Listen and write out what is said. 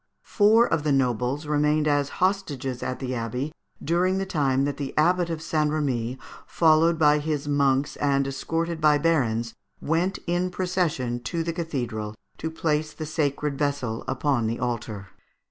Four of the nobles remained as hostages at the abbey during the time that the Abbot of St. Remi, followed by his monks and escorted by the barons, went in procession to the cathedral to place the sacred vessel upon the altar.